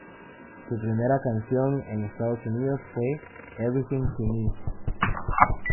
Su primera canción en Estados Unidos fue "Everything to Me".